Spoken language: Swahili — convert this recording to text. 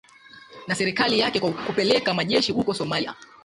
na serikali yake kwa kupeleka majeshi huko somalia